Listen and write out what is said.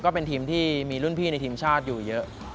ก็เป็นทีมที่มีรุ่นพี่ในทีมชาติอยู่เยอะ